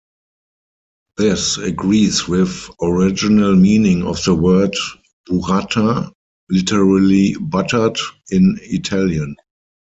This agrees with original meaning of the word "burrata", literally "buttered" in Italian.